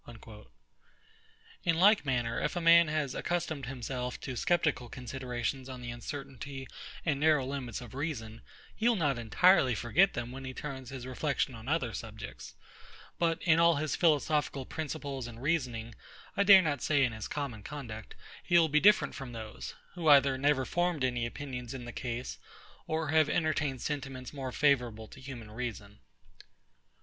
In like manner, if a man has accustomed himself to sceptical considerations on the uncertainty and narrow limits of reason, he will not entirely forget them when he turns his reflection on other subjects; but in all his philosophical principles and reasoning, I dare not say in his common conduct, he will be found different from those, who either never formed any opinions in the case, or have entertained sentiments more favourable to human reason.